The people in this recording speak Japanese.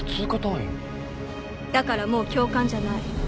だからもう教官じゃない。